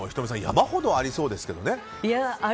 山ほどありそうですけどね。